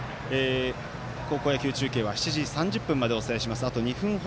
高校野球中継は７時３０分までお伝えします。